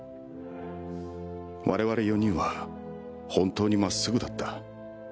「我々４人は本当に真っ直ぐだった」